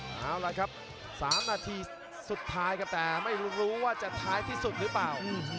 เอาล่ะครับ๓นาทีสุดท้ายครับแต่ไม่รู้ว่าจะท้ายที่สุดหรือเปล่า